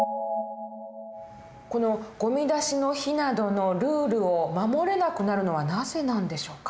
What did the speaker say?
このゴミ出しの日などのルールを守れなくなるのはなぜなんでしょうか？